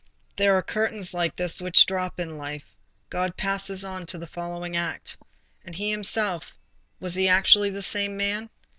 There are curtains like this which drop in life. God passes on to the following act. And he himself—was he actually the same man?